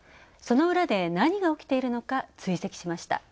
その裏で何が起きているのか追跡しました。